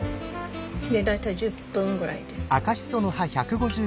大体１０分ぐらいです。